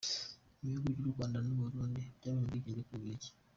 Ibihugu by’u Rwanda n’u Burundi byabonye ubwigenge ku Bubiligi.